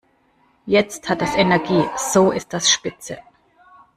Jetzt hat das Energie, so ist das spitze.